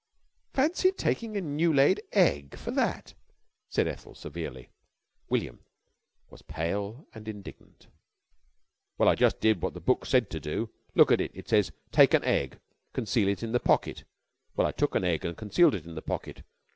"Fancy taking a new laid egg for that," said Ethel severely. William was pale and indignant. "Well, I did jus' what the book said to do. Look at it. It says: 'Take an egg. Conceal it in the pocket.' Well, I took an egg an' I concealed it in the pocket.